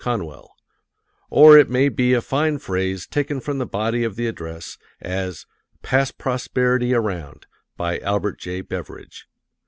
Conwell; or it may be a fine phrase taken from the body of the address, as "Pass Prosperity Around," by Albert J. Beveridge.